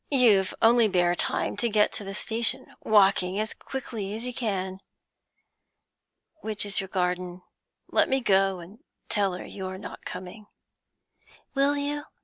'You've only bare time to get to the station, walking as quickly as you can? Which is your garden? Let me go and tell her you are not coming.' 'Will you?